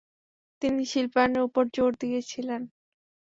তিনি শিল্পায়নের উপর জোর দিয়েছিলেন।